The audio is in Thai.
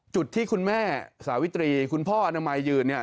จุดที่คุณแม่สาวิตรีคุณพ่ออนามัยยืนเนี่ย